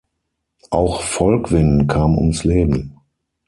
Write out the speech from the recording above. Auch Volkwin kam ums Leben.